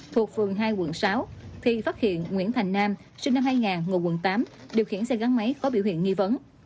thuộc phường hai quận sáu thì phát hiện nguyễn thành nam sinh năm hai nghìn ngồi quận tám điều khiển xe gắn máy có biểu hiện nghi vấn